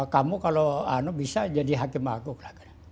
kamu kalau bisa jadi hakim agung lah kan